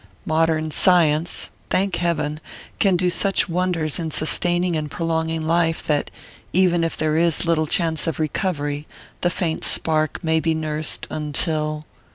Modern science thank heaven! can do such wonders in sustaining and prolonging life that, even if there is little chance of recovery, the faint spark may be nursed until...."